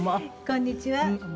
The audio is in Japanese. こんにちは。